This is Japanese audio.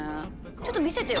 ちょっと見せてよ。